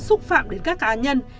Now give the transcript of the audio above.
xúc phạm đến các cá nhân